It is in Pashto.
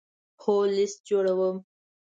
هو، لست جوړوم